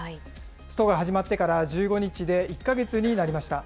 ストが始まってから１５日で１か月になりました。